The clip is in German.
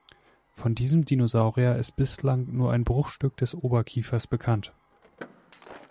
Von diesem Dinosaurier ist bislang nur ein Bruchstück des Oberkiefers bekannt.